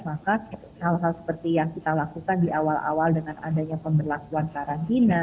maka hal hal seperti yang kita lakukan di awal awal dengan adanya pemberlakuan karantina